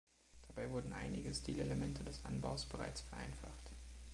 Dabei wurden einige Stilelemente des Anbaus bereits vereinfacht.